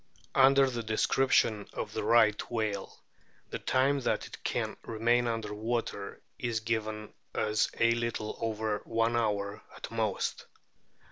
Under the description of the Right whale the time that it can remain under water is given as a little over one hour 156 A BOOK OF WHALES at most.